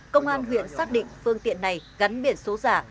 công an huyện xác định phương tiện này gắn biển số giả